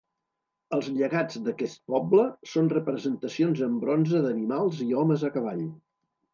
Els llegats d'aquest poble són representacions en bronze d'animals i homes a cavall.